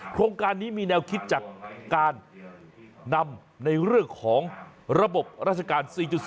โครงการนี้มีแนวคิดจากการนำในเรื่องของระบบราชการ๔๐